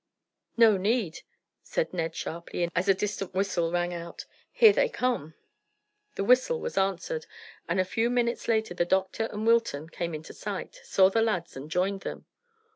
"No need," said Ned sharply, as a distant whistle rang out; "here they come." The whistle was answered, and a few minutes later the doctor and Wilton came into sight, saw the lads, and joined them.